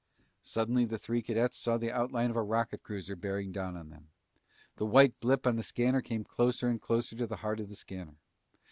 Suddenly the three cadets saw the outline of a rocket cruiser bearing down on them. The white blip on the scanner came closer and closer to the heart of the scanner.